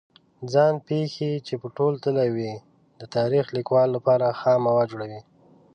ځان پېښې چې په تول تللې وي د تاریخ لیکلو لپاره خام مواد جوړوي.